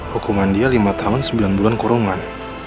hukuman dia lima tahun sembilan bulan kurungan